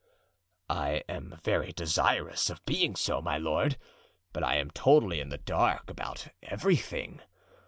"I am very desirous of being so, my lord, but I am totally in the dark about everything.